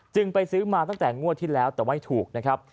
ไปซื้อมาตั้งแต่งวดที่แล้วแต่ไม่ถูกนะครับ